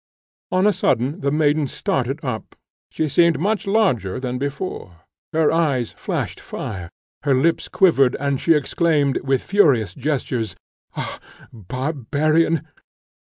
On a sudden the maiden started up. She seemed much larger than before; her eyes flashed fire, her lips quivered, and she exclaimed, with furious gestures, "Ha, barbarian!